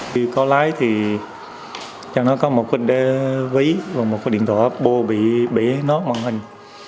khi tôi lái thì chẳng có một cái ví và một cái điện thoại bộ bị nốt màn hình